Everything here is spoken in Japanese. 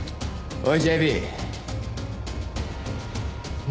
おいＪＢ！